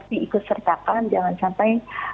diikut sertakan jangan sampai